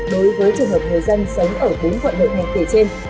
đối với trường hợp người dân sống ở bốn quận nội ngành kể trên